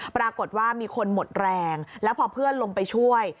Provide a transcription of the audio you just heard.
ปรากฏว่ามีคนหมดแรงแล้วพอเพื่อนลงไปช่วย